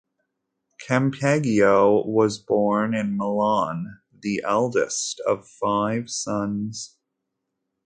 Campeggio was born in Milan, the eldest of five sons.